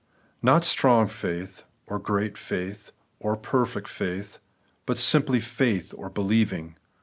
Not strong faith, or great faith, or perfect fidth, but simply faith, or believing.